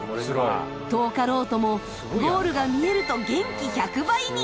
遠かろうともゴールが見えると元気１００倍に。